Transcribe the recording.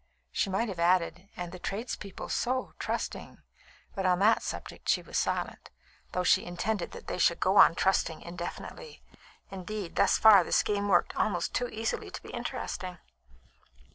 She might have added "and the trades people so trusting"; but on that subject she was silent, though she intended that they should go on trusting indefinitely. Indeed, thus far the scheme worked almost too easily to be interesting.